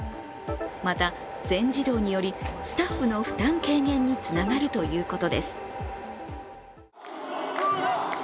また、全自動によりスタッフの負担軽減につながるということです。